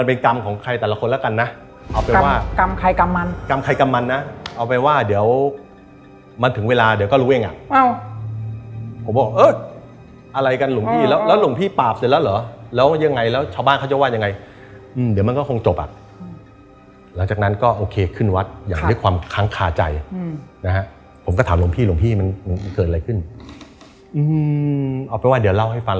บอกทำไมอ่ะครับหลุมพี่